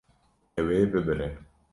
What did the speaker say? Ew ê bibire.